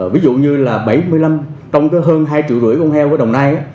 ví dụ như là bảy mươi năm trong hơn hai triệu rưỡi con heo ở đồng nai